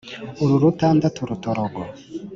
uru rutandatu rutorogo